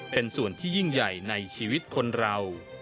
เป็นส่วนที่ยิ่งใหญ่ในชีวิตคนเรา